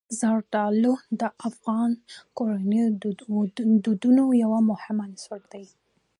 زردالو د افغان کورنیو د دودونو یو مهم عنصر دی.